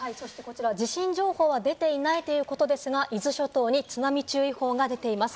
地震情報は出ていないということですが、伊豆諸島に津波注意報が出ています。